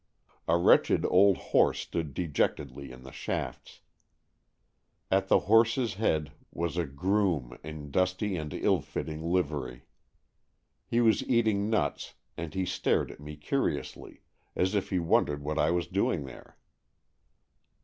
A wretched old horse stood dejectedly in the shafts. At the horse's head was a groom in 90 AN EXCHANGE OF SOULS dusty and ill fitting livery. He was eating nuts, and he stared at me curiously, as if he wondered what I was doing there.